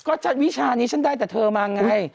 ก็วิชานี้ฉันได้แต่เธอมาไง